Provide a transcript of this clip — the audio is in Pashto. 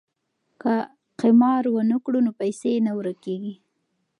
که قمار ونه کړو نو پیسې نه ورکيږي.